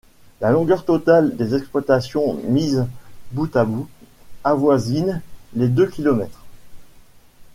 La longueur totale des exploitations, mises bout à bout, avoisine les deux kilomètres.